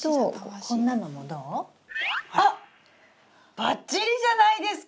バッチリじゃないですか！